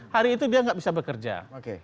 hari itu dia nggak bisa bekerja